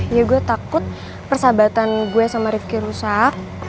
ya gue takut persahabatan gue sama rifki rusak